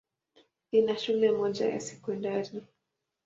Ina shule moja ya sekondari.